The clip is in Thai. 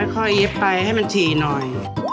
ค่อยเย็บไปให้มันฉี่หน่อย